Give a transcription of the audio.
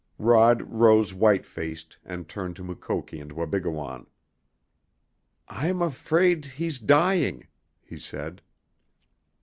Rod rose white faced and turned to Mukoki and Wabigoon. "I'm afraid he's dying," he said.